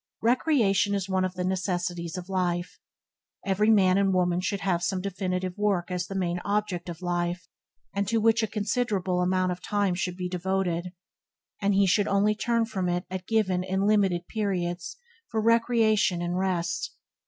Recreation is one of the necessities of life. Every man and women should have some definitive work as the main object of life, and to which a considerable amount of time should be devoted, and he should only turn from it at given and limited periods for recreation and rest.